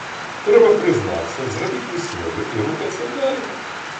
Трэба прызнацца, зрабіць высновы і рухацца далей.